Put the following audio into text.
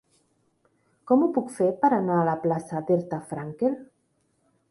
Com ho puc fer per anar a la plaça d'Herta Frankel?